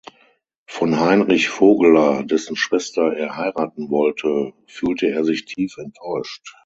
Von Heinrich Vogeler, dessen Schwester er heiraten wollte, fühlte er sich tief enttäuscht.